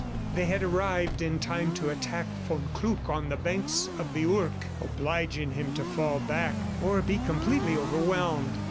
They had arrived in time to attack von Kluck on the banks of the Ourq, obliging him to fall back or be completely overwhelmed.